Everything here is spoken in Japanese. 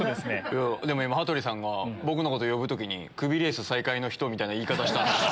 でも今羽鳥さんが僕のこと呼ぶ時にクビレース最下位の人！みたいな言い方したんすよ。